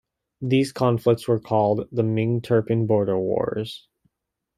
These conflicts were called the Ming Turpan Border Wars.